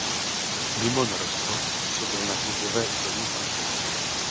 Mimo Norsko působil na klubové úrovni v Anglii.